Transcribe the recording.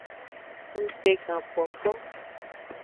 Ngtegankpokpo.